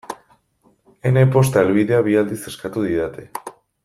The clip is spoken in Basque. Ene posta helbidea bi aldiz eskatu didate.